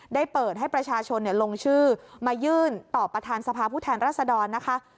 ได้เปิดให้ประชาชนลงชื่อมายื่นต่อประธานสภาพผู้แทนรัศดรนะคะ